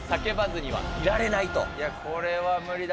いや、これは無理だ。